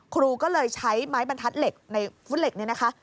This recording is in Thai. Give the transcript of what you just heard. ครูก็เลยใช้ไม้บรรทัดเหล็กในวุ้นเหล็กเนี่ยนะคะ